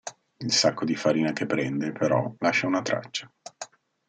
Il sacco di farina che prende, però, lascia una traccia.